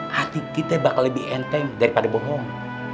hati kita bakal lebih enteng daripada bohong